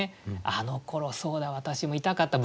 あのころそうだ私も痛かった。